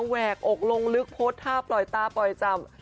แหวกอกลงลึกพดทาบลอยตาปล่อยจำ